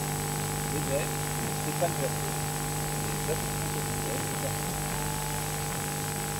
Lévèque et Stéphane Gervais sont les assistants-capitaine de Terglav.